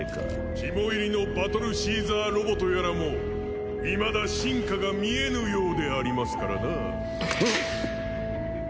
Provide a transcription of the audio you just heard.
肝いりのバトルシーザーロボとやらもいまだ真価が見えぬようでありますからな。